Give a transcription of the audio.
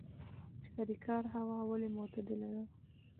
چاریکار هوا ولې معتدله ده؟